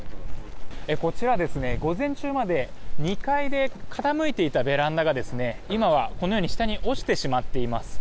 こちら、午前中まで２階で傾いていたベランダが今は、このように下に落ちてしまっています。